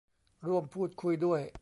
ร่วมพูดคุยด้วย